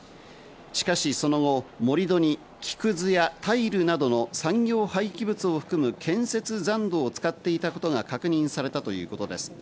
しかしその後、盛り土に木くずやタイルなどの産業廃棄物を含む建設残土を使っていたことが確認されたということです。